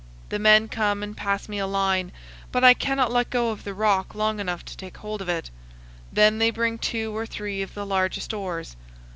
The men come and pass me a line, but I cannot let go of the rock long enough to take hold of it. Then they bring two or three of the largest oars.